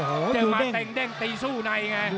โอ้โหดูเด้งจะมาเต้งเด้งตีสู้ในไง